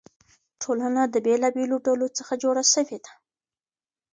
ټولنه د بېلابېلو ډلو څخه جوړه سوې ده.